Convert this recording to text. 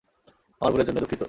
আমার ভুলের জন্য, দুঃখিত।